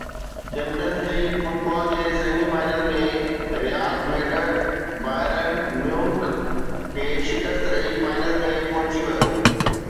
champions league football جي semi final ۾ Real Madrid Bayern Munich کي شڪست ڏئي فائنل ۾ پهچي ويو